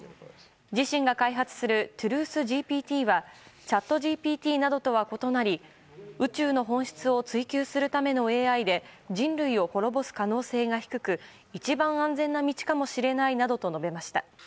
自身が開発するトゥルースＧＰＴはチャットＧＰＴなどとは異なり宇宙の本質を追究するためのＡＩで人類を滅ぼす可能性が低く一番安全な道かもしれないなどと述べました。